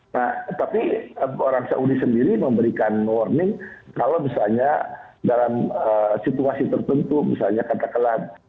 nah tapi orang saudi sendiri memberikan warning kalau misalnya dalam situasi tertentu misalnya kata kelak